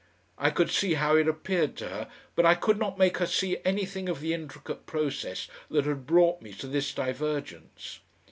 I could see how it appeared to her, but I could not make her see anything of the intricate process that had brought me to this divergence.